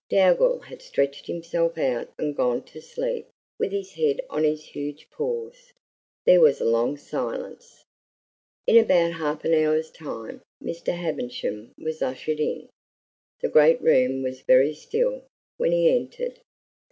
Dougal had stretched himself out and gone to sleep with his head on his huge paws. There was a long silence. In about half an hour's time Mr. Havisham was ushered in. The great room was very still when he entered.